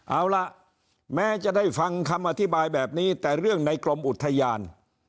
เอาล่ะแม้จะได้ฟังคำอธิบายแบบนี้แต่เรื่องในกรมอุทยาน